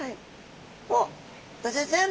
おっドジョウちゃん